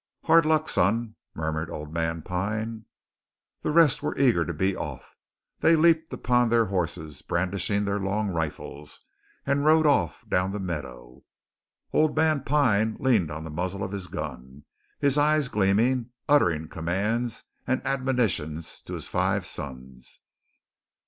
"Hard luck, son!" murmured old man Pine. The rest were eager to be off. They leaped upon their horses, brandishing their long rifles, and rode off down the meadow. Old man Pine leaned on the muzzle of his gun, his eyes gleaming, uttering commands and admonitions to his five sons.